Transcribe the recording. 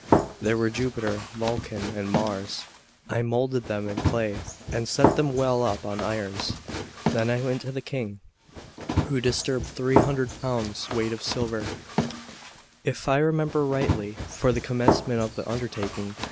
These were Jupiter, Vulcan and Mars. I moulded them in clay, and set them well up on irons; then I went to the King, who disbursed three hundred pounds weight of silver, if I remember rightly, for the commencement of the undertaking.